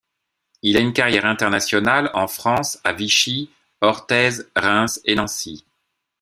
Il a une carrière internationale en France, à Vichy, Orthez, Reims, et Nancy.